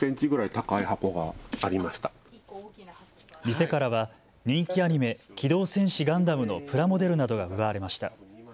店からは人気アニメ、機動戦士ガンダムのプラモデルなどが奪われました。